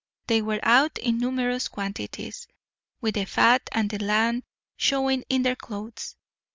They were out in numerous quantities, with the fat of the land showing in their clothes.